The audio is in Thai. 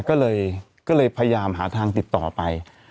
ก็เลยพยายามหาทางติดต่อไป